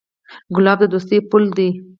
ګلاب د دوستۍ پُل دی.